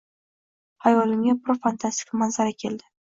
Xayolimga bir fantastik manzara keldi.